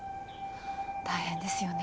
大変ですよね。